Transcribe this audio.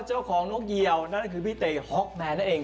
เจ้าของนกเยียวนั่นคือพี่เตฮ็อกแมนนั่นเอง